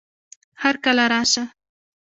هرکله راشه